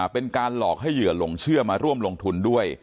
เป็นการหลอกให้เหยื่อหลงเชื่อมาร่วมลงทุนด้วย